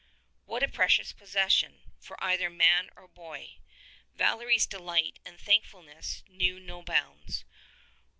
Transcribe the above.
What a precious possession, for either man or boy ! Val ery's delight and thankfulness knew no bounds.